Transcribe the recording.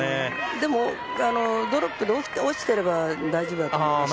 でもドロップで落ちてれば大丈夫だと思います。